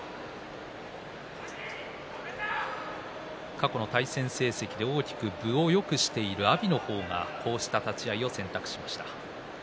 過去の対戦成績で大きく分をよくしている阿炎の方がこうした立ち合いを選択しました。